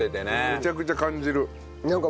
めちゃくちゃ感じる。